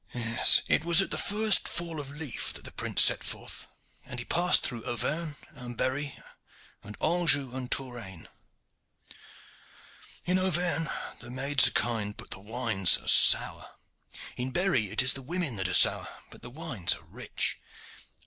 It was at the first fall of the leaf that the prince set forth, and he passed through Auvergne, and Berry, and Anjou, and Touraine. In Auvergne the maids are kind, but the wines are sour. In Berry it is the women that are sour, but the wines are rich.